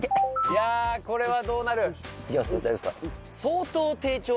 いやこれはどうなる？